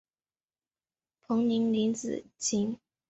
彭宁离子阱。